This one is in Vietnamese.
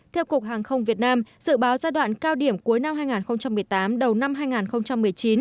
theo cục hàng không việt nam dự báo giai đoạn cao điểm cuối năm hai nghìn một mươi tám đầu năm hai nghìn một mươi chín